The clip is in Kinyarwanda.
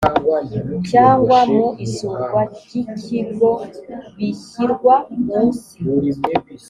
cyangwa mu isurwa ry ikigo bishyirwa munsi